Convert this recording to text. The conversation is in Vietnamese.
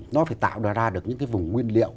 nó phải tạo ra được những cái vùng nguyên liệu